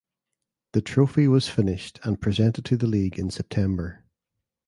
The trophy was finished and presented to the league in September.